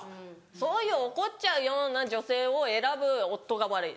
そういう怒っちゃうような女性を選ぶ夫が悪い。